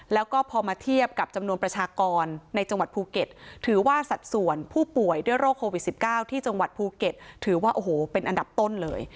แล้วก็พอมาเทียบกับจำนวนประชากรในจังหวัดภูเก็ตถือว่าสัดส่วนผู้ป่วยด้วยโรคโควิด๑๙ที่จังหวัดภูเก็ตถือว่าโอ้โหเป็นอันดับต้นเลย